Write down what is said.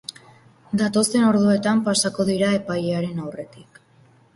Datozen orduetan pasako dira epailearen aurretik.